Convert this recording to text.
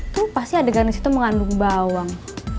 tuh pasti ada garansi tuh mengandung bawang